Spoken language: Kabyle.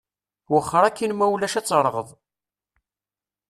Wexxeṛ akin ma ulac ad terɣeḍ.